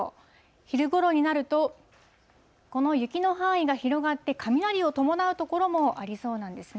昼ごろになると、この雪の範囲が広がって、雷を伴う所もありそうなんですね。